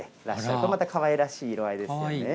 これまたかわいらしい色合いですよね。